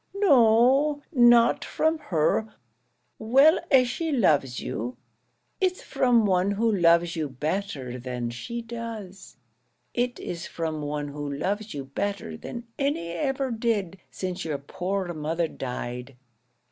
"No, not from her, well as she loves you; it's from one who loves you better than she does; it is from one who loves you better than any ever did, since your poor mother died."